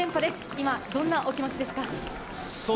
今、どんなお気持ちですか？